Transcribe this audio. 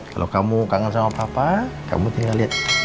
kalau kamu kangen sama papa kamu tinggal lihat